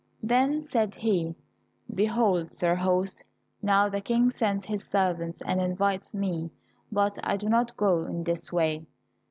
Then said he, "Behold, sir host, now the King sends his servant and invites me, but I do not go in this way."